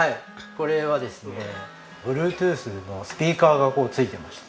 これはですねＢｌｕｅｔｏｏｔｈのスピーカーがついてまして。